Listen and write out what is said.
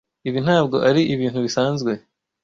Ibi ntabwo ari ibintu bisanzwe.